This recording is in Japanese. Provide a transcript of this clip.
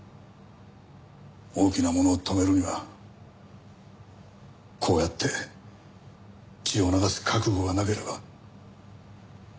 大きなものを止めるにはこうやって血を流す覚悟がなければ。